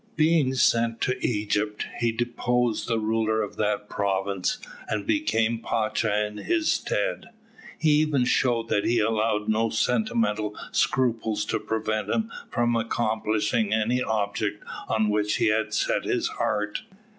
Being sent to Egypt, he deposed the ruler of that province, and became pacha in his stead. He even showed that he allowed no sentimental scruples to prevent him from accomplishing any object on which he had set his heart.